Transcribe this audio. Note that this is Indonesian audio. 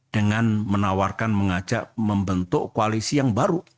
dengan menawarkan mengajak membentuk koalisi yang baru